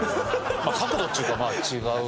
まあ角度っちゅうか違う。